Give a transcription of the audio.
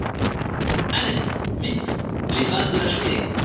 Annette ! vite ! les vases de la cheminée.